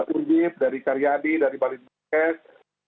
urbip dari karyadi dari balikbukit